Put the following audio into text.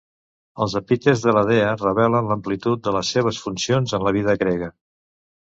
Els epítets de la dea revelen l'amplitud de les seves funcions en la vida grega.